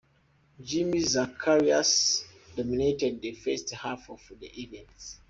Jimmy Zacharias dominated the first half of the event.